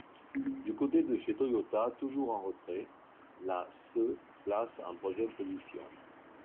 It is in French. Du côté de chez Toyota, toujours en retrait, la se place en troisième position.